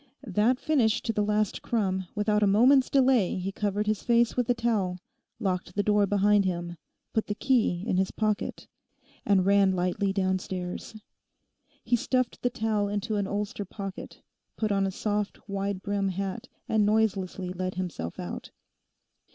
That finished to the last crumb, without a moment's delay he covered his face with a towel, locked the door behind him, put the key in his pocket, and ran lightly downstairs. He stuffed the towel into an ulster pocket, put on a soft, wide brimmed hat, and noiselessly let himself out.